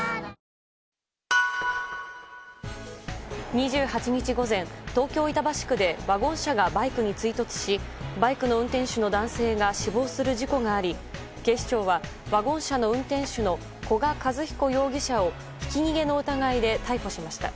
２８日午前東京・板橋区でワゴン車がバイクに追突しバイクの運転手の男性が死亡する事故があり警視庁はワゴン車の運転手の古賀和彦容疑者をひき逃げの疑いで逮捕しました。